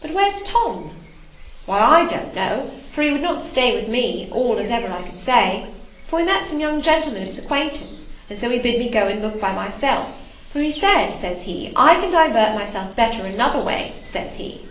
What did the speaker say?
"But where's Tom?" "Why, I don't know; for he would not stay with me, all as ever I could say: for we met some young gentlemen of his acquaintance, and so he bid me go and look by myself; for he said, says he, I can divert myself better another way, says he."